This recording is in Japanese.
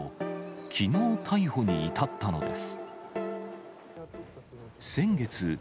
きのう逮捕に至ったのです。